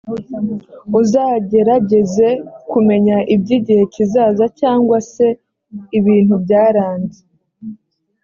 ugerageze kumenya iby igihe kizaza cyangwa se ibintu byaranze